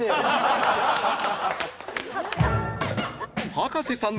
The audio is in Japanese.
葉加瀬さん